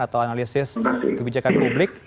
atau analisis kebijakan publik